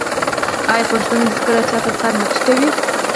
آیا پښتون هیڅکله چا ته سر نه ټیټوي؟